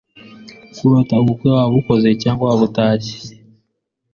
Kurota ubukwe wabukoze cyangwa wabutashe.